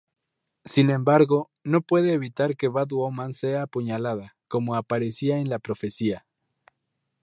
Sin embargo, no puede evitar que Batwoman sea apuñalada, como aparecía en la profecía.